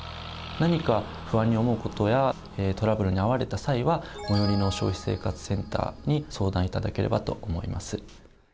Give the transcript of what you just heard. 何か不安に思う事やトラブルに遭われた際は最寄りの消費生活センターに相談頂ければと思います。